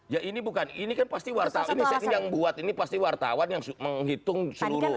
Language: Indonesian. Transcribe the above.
ya ini bukan ini kan pasti wartawan ini yang buat ini pasti wartawan yang menghitung seluruh